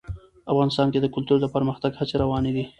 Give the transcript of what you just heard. افغانستان کې د کلتور د پرمختګ هڅې روانې دي.